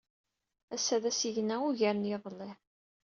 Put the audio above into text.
Ass-a d asigna ugar n yiḍelli.